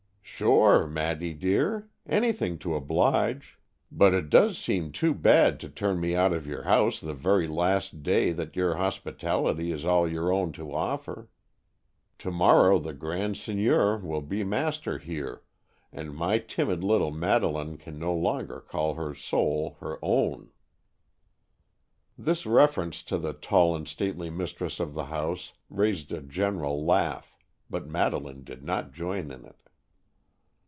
"Sure, Maddy dear; anything to oblige. But it does seem too bad to turn me out of your house the very last day that your hospitality is all your own to offer. To morrow the grand Seigneur will be master here, and my timid little Madeleine can no longer call her soul her own." This reference to the tall and stately mistress of the house raised a general laugh, but Madeleine did not join in it.